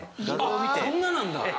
あっこんななんだ！